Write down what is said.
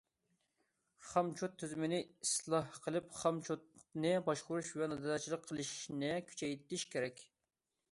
خام چوت تۈزۈمىنى ئىسلاھ قىلىپ، خام چوتنى باشقۇرۇش ۋە نازارەتچىلىك قىلىشنى كۈچەيتىش كېرەك.